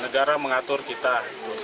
petugas menangkap rakyat di rumah